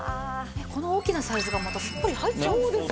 この大きなサイズがまたすっぽり入っちゃうんですよね。